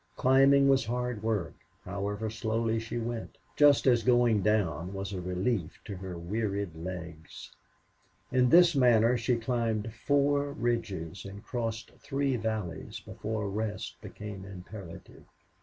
Climbing was hard work, however slowly she went, just as going down was a relief to her wearied legs. In this manner she climbed four ridges and crossed three valleys before a rest became imperative.